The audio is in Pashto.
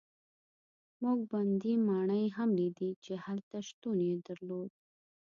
موږ بندي ماڼۍ هم لیدې چې هلته شتون یې درلود.